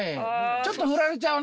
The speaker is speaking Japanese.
ちょっとフラれちゃうね